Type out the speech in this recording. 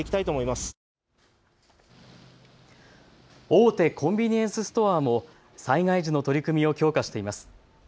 大手コンビニエンスストアも災害時の取り組みを強化しています。